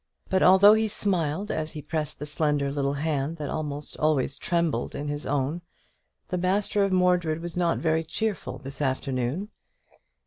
But although he smiled as he pressed the slender little hand that almost always trembled in his own, the master of Mordred was not very cheerful this afternoon.